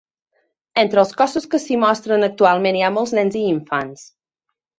Entre els cossos que s'hi mostren actualment hi ha molts nens i infants.